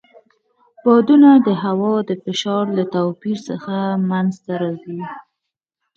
بادونه د هوا د فشار له توپیر څخه منځته راځي.